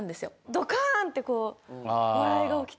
ドカーン！って笑いが起きてて。